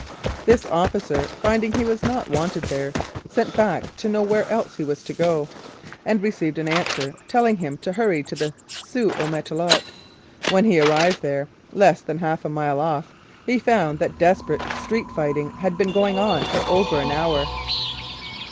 This officer, finding he was not wanted there, sent back to know where else he was to go, and received an answer telling him to hurry to the Sault au Matelot. When he arrived there, less than half a mile off, he found that desperate street fighting had been going on for over an hour.